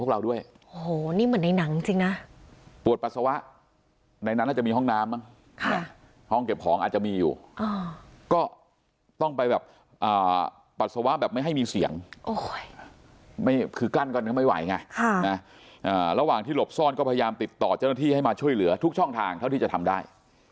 ระหว่างที่หลบซ่อนก็พยายามติดต่อเจ้าหน้าที่ให้มาช่วยเหลือทุกช่องทางเท่าที่จะทำได้